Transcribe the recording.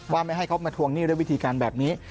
ไม่ให้เขามาทวงหนี้ด้วยวิธีการแบบนี้